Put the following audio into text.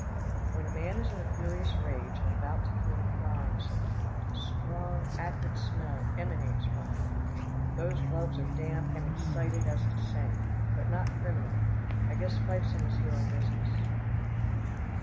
"When a man is in a furious rage, and about to commit a crime," said the hound, "a strong acrid smell emanates from him. Those gloves are damp and excited as to scent, but not criminal. I guess Fifeson is here on business."